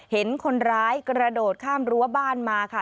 เห็นคนร้ายกระโดดข้ามรั้วบ้านมาค่ะ